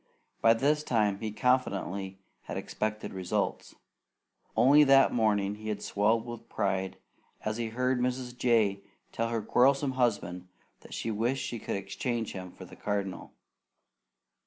By this time he confidently had expected results. Only that morning he had swelled with pride as he heard Mrs. Jay tell her quarrelsome husband that she wished she could exchange him for the Cardinal.